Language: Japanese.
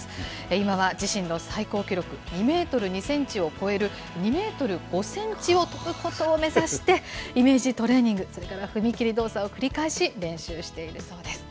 今は自身の最高記録、２メートル２センチを超える、２メートル５センチを跳ぶことを目指して、イメージトレーニング、それから踏み切り動作を繰り返し練習しているそうです。